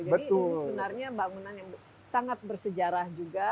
jadi ini sebenarnya bangunan yang sangat bersejarah juga